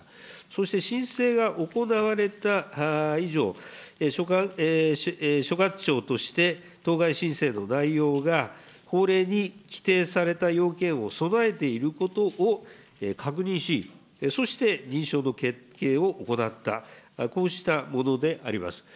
そして申請が行われた以上、所轄庁として当該申請の内容が法例に規定された要件を備えていることを確認し、そして認証の決定を行った、こうしたものであります。